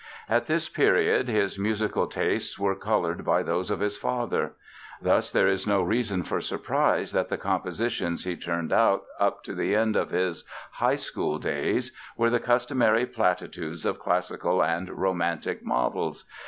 At this period his musical tastes were colored by those of his father. Thus there is no reason for surprise that the compositions he turned out up to the end of his high school days were the customary platitudes of classical and romantic models.